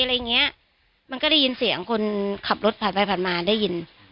อะไรอย่างเงี้ยมันก็ได้ยินเสียงคนขับรถผ่านไปผ่านมาได้ยิน